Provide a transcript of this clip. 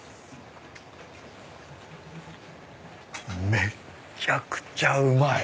めっちゃくちゃうまい。